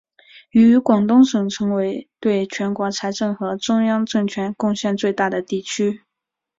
与广东省成为对全国财政和中央财政贡献最大的地区。